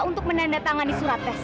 untuk menandatangani surat tes